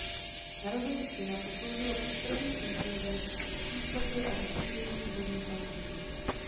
Narození syna posloužilo prvním impulsem k přístavbě a rozšíření původní chalupy.